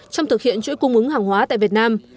trong thực hiện chuỗi cung ứng hàng hóa tại việt nam